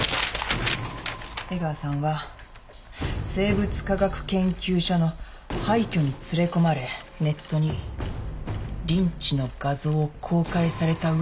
江川さんは生物化学研究所の廃虚に連れ込まれネットにリンチの画像を公開された上で殺されてる。